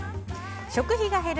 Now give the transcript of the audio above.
「食費が減る！